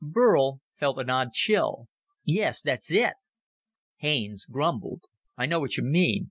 Burl felt an odd chill. "Yes, that's it!" Haines grumbled. "I know what you mean.